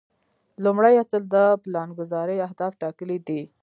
لومړی اصل د پلانګذارۍ اهداف ټاکل دي.